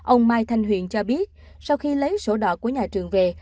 ông mai thanh huyền cho biết sau khi lấy sổ đỏ của nhà trường về